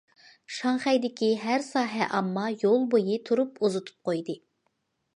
شاڭخەيدىكى ھەر ساھە ئامما يول بويى تۇرۇپ ئۇزىتىپ قويدى.